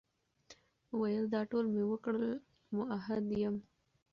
ویل دا ټول مي وکړل، مؤحد یم ،